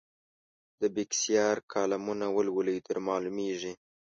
د بېکسیار کالمونه ولولئ درمعلومېږي.